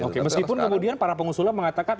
oke meskipun kemudian para pengusulan mengatakan